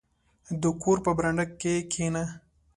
• د کور په برنډه کښېنه.